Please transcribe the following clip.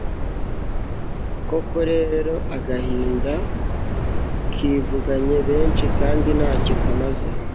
koko rero agahinda kivuganye benshi kandi nta cyo kamaze